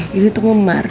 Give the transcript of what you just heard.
nih ini tuh memar